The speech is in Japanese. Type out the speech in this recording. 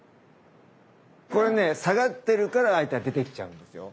これね下がってるから相手が出てきちゃうんですよ。